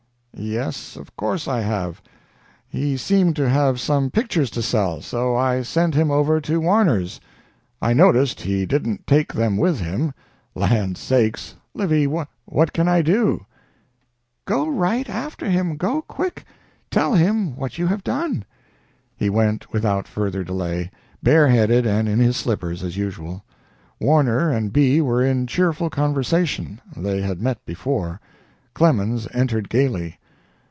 "Yes, of course I have. He seemed to have some pictures to sell, so I sent him over to Warner's. I noticed he didn't take them with him. Land sakes! Livy, what can I do?" "Go right after him go quick! Tell him what you have done." He went without further delay, bareheaded and in his slippers, as usual. Warner and B. were in cheerful conversation. They had met before. Clemens entered gaily.